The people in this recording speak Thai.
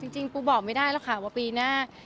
จริงปูบอกไม่ได้หรอกค่ะว่าปีหน้า